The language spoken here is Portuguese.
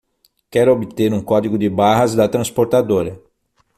Quero obter um código de barras da transportadora